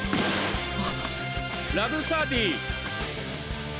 ラブ・サーティ！